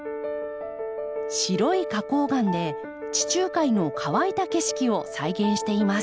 白い花こう岩で地中海の乾いた景色を再現しています。